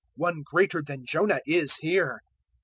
One greater than Jonah is here.